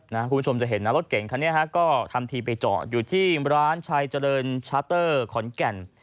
คุณผู้ชมจะเห็นนะรถเก่งคันนี้ฮะก็ทำทีไปจอดอยู่ที่ร้านชายเจริญชาเตอร์ขอนแก่น